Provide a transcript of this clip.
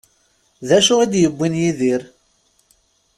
D acu i d-yewwin Yidir?